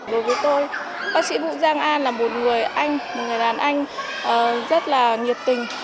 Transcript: đối với tôi bác sĩ vũ giang an là một người anh một người đàn anh rất là nhiệt tình